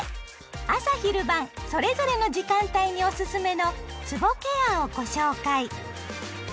朝・昼・晩それぞれの時間帯におすすめのつぼケアをご紹介。